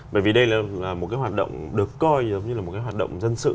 bởi vì đây là một cái hoạt động được coi giống như là một cái hoạt động dân sự